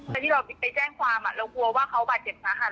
แต่ที่เราไปแจ้งความเรากลัวว่าเขาบาดเจ็บสาหัส